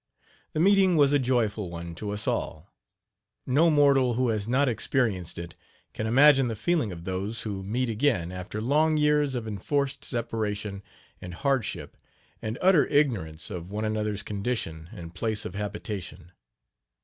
The meeting was a joyful one to us all. No mortal who has not experienced it can imagine the feeling of those who meet again after long years of enforced separation and hardship and utter ignorance of one another's condition and place of habitation.